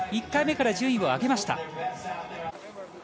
１回目から順位を上げました。